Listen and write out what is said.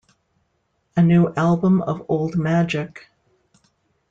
A new album of Old Magic.